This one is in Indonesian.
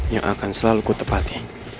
yang akan selalu ku tepati